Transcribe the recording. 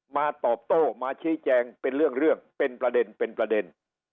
มาตอบโต้มาชี้แจงเป็นเรื่องเป็นประเด็น